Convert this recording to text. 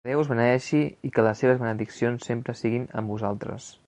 Que Déu us beneeixi i que les seves benediccions sempre siguin amb vosaltres.